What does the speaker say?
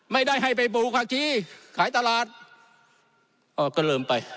ไม่ได้ให้ไปบู่ผักชี้ขายตลาดอ้อก็เริ่มไป